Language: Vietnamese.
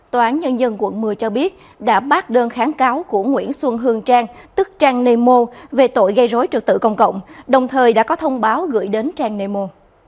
tòa án nhân dân quận một mươi cho biết đã bác đơn kháng cáo của nguyễn xuân hương trang tức trang nemo về tội gây rối trực tự công cộng đồng thời đã có thông báo gửi đến trang nemo